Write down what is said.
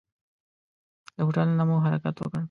له هوټل نه مو حرکت وکړ.